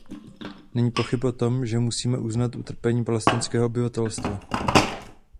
Není pochyb o tom, že musíme uznat utrpení palestinského obyvatelstva.